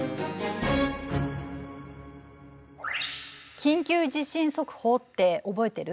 「緊急地震速報」って覚えてる？